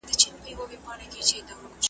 چي ډېوې یې بلولې نن له ملکه تښتېدلی ,